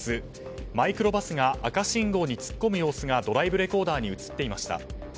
マイクロバスが赤信号に突っ込む様子がドライブレコーダーに映っていました。